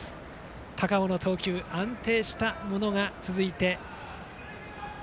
高尾の投球安定したものが続いています。